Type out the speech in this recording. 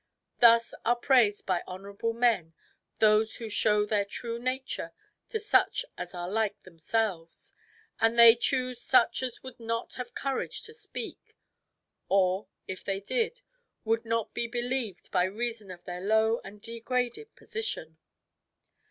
Thus are praised by honourable men, those who show their true nature to such as are like themselves; and they choose such as would not have courage to speak, or, if they did, would not be believed by reason of their low and degraded position."